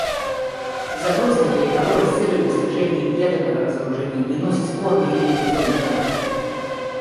Запрос на переговоры с целью достижения ядерного разоружения не носит спорный или нерезонный характер.